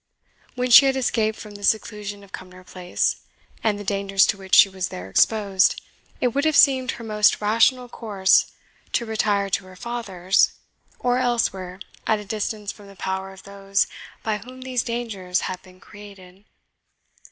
When she had escaped from the seclusion of Cumnor Place, and the dangers to which she was there exposed, it would have seemed her most rational course to retire to her father's, or elsewhere at a distance from the power of those by whom these dangers had been created.